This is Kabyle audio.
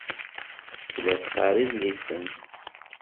Tella teqqar idlisen.